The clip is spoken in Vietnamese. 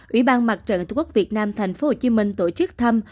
ủy ban mặt trận tổ quốc việt nam thành phố hồ chí minh tổ chức thăm